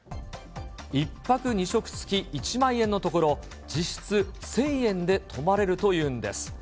１泊２食付き１万円のところ、実質１０００円で泊まれるというんです。